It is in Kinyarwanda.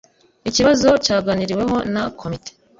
Ikibazo cyaganiriweho na komite.